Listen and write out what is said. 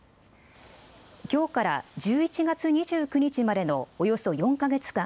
きょうから１１月２９日までのおよそ４か月間、